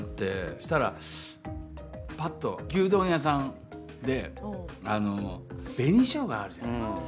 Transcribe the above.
そしたらぱっと牛丼屋さんで紅しょうがあるじゃないですか。